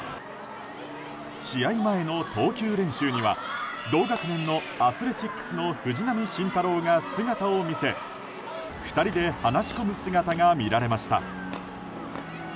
試合前の投球練習には同学年のアスレチックスの藤浪晋太郎が姿を見せ２人で話し込む姿が見られました。